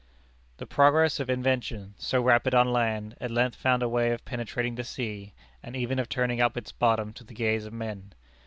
The progress of invention, so rapid on land, at length found a way of penetrating the sea, and even of turning up its bottom to the gaze of men.